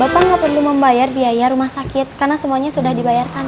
bapak nggak perlu membayar biaya rumah sakit karena semuanya sudah dibayarkan